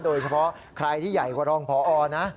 โดยเฉพาะใครที่ใหญ่กว่ารองพอนะ